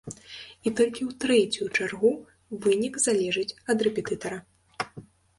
І толькі ў трэцюю чаргу вынік залежыць ад рэпетытара.